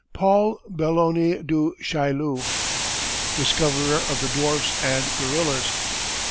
XIII. PAUL BELLONI DU CHAILLU, DISCOVERER OF THE DWARFS AND GORILLAS.